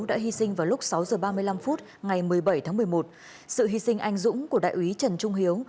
đã hy sinh vào lúc sáu h ba mươi năm phút ngày một mươi bảy tháng một mươi một sự hy sinh anh dũng của đại úy trần trung hiếu